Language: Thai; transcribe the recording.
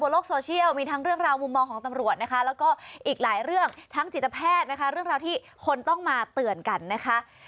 แล้วก็อีกหลายเรื่องทั้งจิตแพทย์เรื่องราวที่คนต้องมาเตือนกันนะคะ